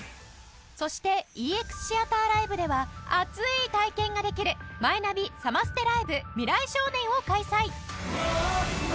そして ＥＸ シアターライブでは熱い体験ができるマイナビサマステライブ未来少年を開催